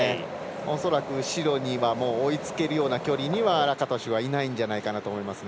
恐らく後ろに追いつけるような距離にはラカトシュはいないんじゃないかなと思いますね。